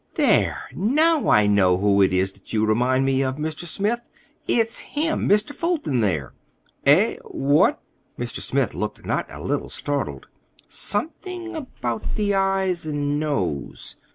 "There, now I know who it is that you remind me of, Mr. Smith. It's him—Mr. Fulton, there." "Eh? What?" Mr. Smith looked not a little startled. "Something about the eyes and nose."